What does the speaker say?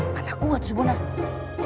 mana kuat sebenarnya